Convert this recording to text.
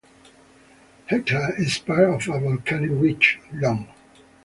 Hekla is part of a volcanic ridge, long.